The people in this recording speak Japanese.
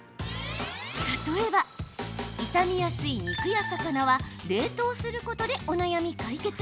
例えば、傷みやすい肉や魚は冷凍することでお悩み解決。